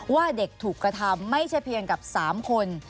ว่าเด็กถูกกระทำไม่ใช่เพียงกับ๓คน